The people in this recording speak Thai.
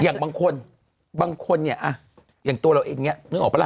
อย่างบางคนบางคนเนี่ยอย่างตัวเราเองเนี่ยนึกออกปะล่ะ